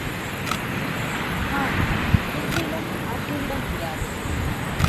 ஆனால் முற்றிலும் மாற்றிவிட முடியாது.